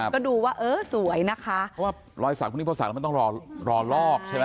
ก็ดูว่าเออสวยนะคะเพราะว่ารอยศักดิ์พรุ่งนี้พอศักดิ์แล้วไม่ต้องรอลอกใช่ไหม